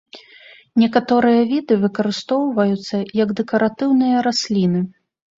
Некаторыя віды выкарыстоўваюцца як дэкаратыўныя расліны.